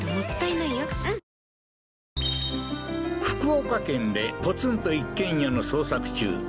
福岡県でポツンと一軒家の捜索中